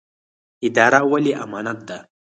اداره ولې امانت ده؟